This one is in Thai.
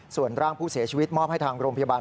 ส่วนร่างผู้เสียชีวิตมอบให้ทางโรงพยาบาล